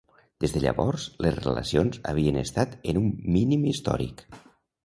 Des de llavors, les relacions havien estat en un mínim històric.